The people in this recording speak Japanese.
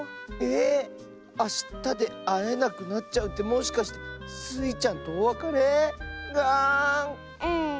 えっ⁉あしたであえなくなっちゃうってもしかしてスイちゃんとおわかれ⁉がん！